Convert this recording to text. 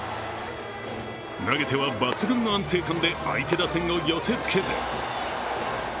投げては、抜群の安定感で相手打線を寄せつけず。